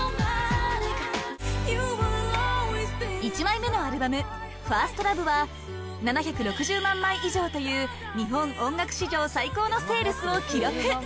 １枚目のアルバム「ＦｉｒｓｔＬｏｖｅ」は７６０万枚以上という日本音楽史上最高のセールスを記録